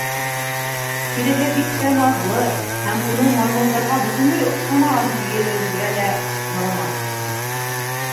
— Тиреһе бик тә наҙлы һәм уны... маймылдарға бөтөнләй оҡшамаған тиергә лә ярамаҫ.